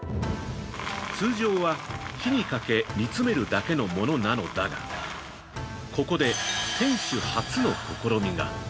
通常は火にかけ煮詰めるだけのものなのだが、ここで店主初の試みが。